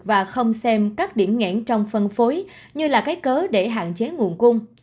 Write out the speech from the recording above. và không xem các điểm ngẽn trong phân phối như là cái cớ để hạn chế nguồn cung